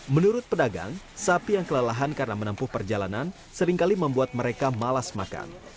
menurut pedagang sapi yang kelelahan karena menempuh perjalanan seringkali membuat mereka malas makan